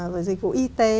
rồi dịch vụ y tế